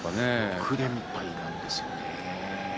６連敗なんですよね。